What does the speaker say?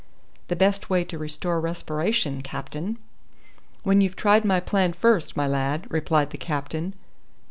"The best way to restore respiration, captain." "When you've tried my plan first, my lad," replied the captain.